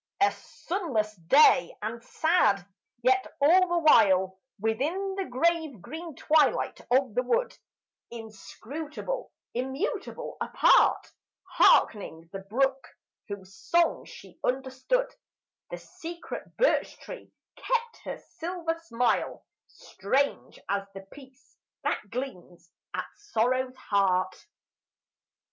A sunless day and sad: yet all the while Within the grave green twilight of the wood, inscrutable, immutable, apart, Hearkening the brook, whose song she understood, The secret birch tree kept her silver smile, Strange as the peace that gleams at sorrow's heart.